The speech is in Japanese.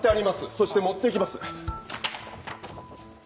そして持っていきます。